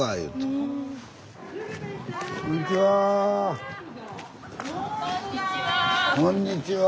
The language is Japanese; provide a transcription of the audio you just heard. こんにちは。